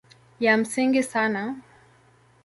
Ya msingi sana